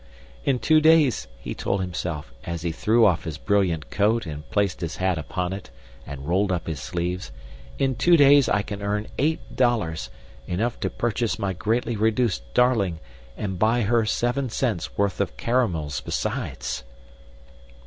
"In two days," he told himself, as he threw off his brilliant coat and placed his hat upon it, and rolled up his sleeves; "in two days I can earn eight dollars enough to purchase my greatly reduced darling and buy her seven cents worth of caramels besides."